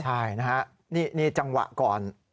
ใช่นะฮะนี่จังหวะก่อน